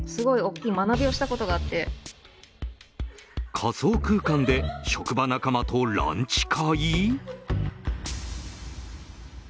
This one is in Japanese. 仮想空間で職場仲間とランチ会。